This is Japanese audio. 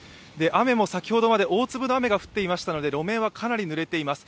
雨も先ほどまで大粒の雨が降っていましたので路面はかなり濡れています。